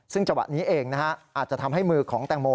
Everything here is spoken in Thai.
ซึ่งจังหวะนี้เองนะฮะอาจจะทำให้มือของแตงโม